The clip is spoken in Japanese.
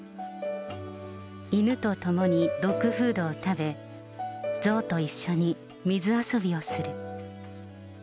犬とともにドッグフードを食べ、象と一緒に水遊びをする。